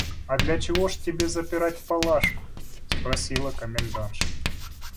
– «А для чего ж было тебе запирать Палашку? – спросила комендантша.